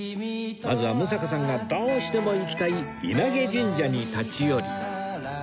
まずは六平さんがどうしても行きたい稲毛神社に立ち寄り